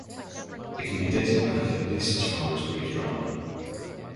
It can be dated back at least as far as Greek drama.